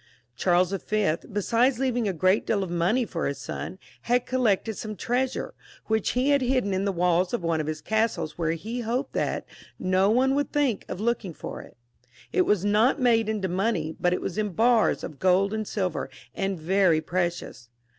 Charles Y., besides leaving a great deal of money for his son, had collected some treasure, which he had hidden in the walls of one of his castles, where he hoped that no one would think of looking for it. It was not made into money, but was in bars of gold and silver, and very pre cious.